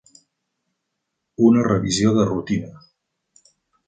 Una revisió de rutina.